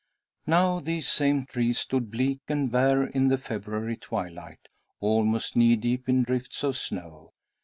Now these same trees stood bleak and bare in the February twilight, almost knee deep in drifts of snow.